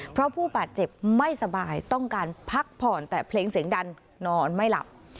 เพราะผู้บาดเจ็บไม่สบายต้องการพักผ่อนแต่เพลงเสียงดันนอนไม่หลับ